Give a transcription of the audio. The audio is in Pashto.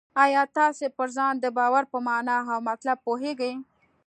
آیا تاسې پر ځان د باور په مانا او مطلب پوهېږئ؟